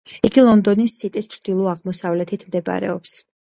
იგი ლონდონის სიტის ჩრდილოაღმოსავლეთით მდებარეობს.